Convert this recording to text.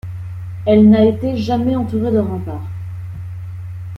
Elle n'a été jamais entourée de remparts.